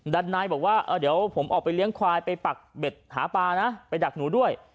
ด้านในบอกว่าเดี๋ยวผมออกไปเลี้ยงควายไปปักเบ็ดหาปลานะไปดักหนูด้วย